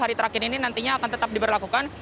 hari terakhir ini nantinya akan tetap diberlakukan